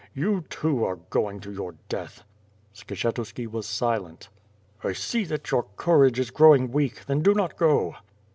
You, too, are going to your death." Skshetuski was silent. "I see that your courage is growing weak; then do not go."